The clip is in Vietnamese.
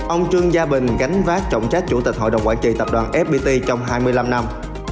ông trương gia bình gánh vác trọng trách chủ tịch hội đồng quản trị tập đoàn fpt trong hai mươi năm năm